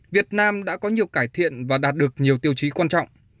việt nam đã có nhiều cải thiện và đạt được nhiều tiêu chí quan trọng